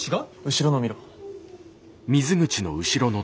後ろの見ろ。